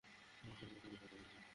পুরো শহর তোমাকে নিয়েই কথা বলছে।